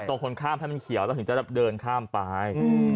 เอาคนข้ามให้มันเขียวถึงจะได้เดินข้ามไป